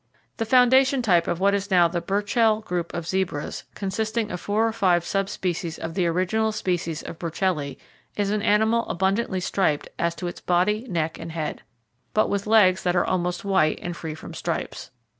—The foundation type of what now is the Burchell group of zebras, consisting of four or five sub species of the original species of burchelli, is an animal abundantly striped as to its body, neck and head, but with legs that are almost white and free from stripes.